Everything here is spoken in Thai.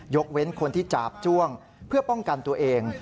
เว้นคนที่จาบจ้วงเพื่อป้องกันตัวเอง